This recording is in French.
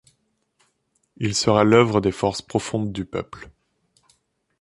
Il sera l’œuvre des forces profondes du peuple.